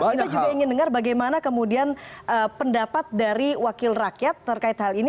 kita juga ingin dengar bagaimana kemudian pendapat dari wakil rakyat terkait hal ini